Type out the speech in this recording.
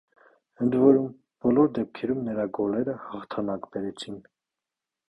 Ընդ որում, բոլոր դեպքերում նրա գոլերը հաղթանակ բերեցին։